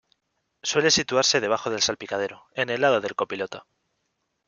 Suele situarse debajo del salpicadero, en el lado del copiloto.